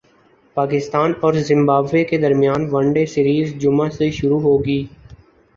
پاکستان اور زمبابوے کے درمیان ون ڈے سیریز جمعہ سے شروع ہوگی